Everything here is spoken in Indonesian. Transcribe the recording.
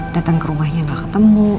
datang ke rumahnya nggak ketemu